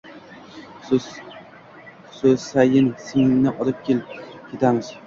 Xusayin! Singlingni olib kel, ketamiz.